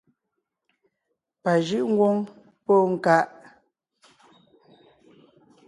Pà jʉ́’ ńgwóŋ póo ńká.